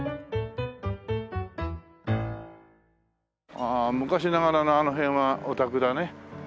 ああ昔ながらのあの辺はお宅だね。